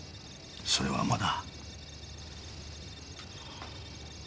それはまだ。